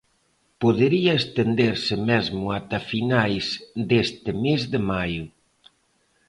Podería estenderse mesmo ata finais deste mes de maio.